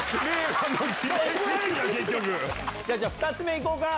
じゃあ２つ目いこうか。